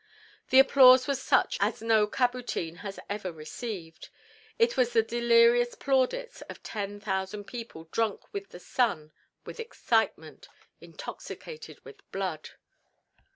The applause was such as no cabotin has ever received. It was the delirious plaudits of ten thousand people drunk with the sun, with excitement intoxicated with blood.